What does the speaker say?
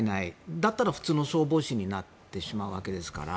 だったら普通の消防士になってしまうわけですから。